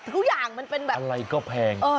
ทุกอย่างมันเป็นแบบอะไรก็แพง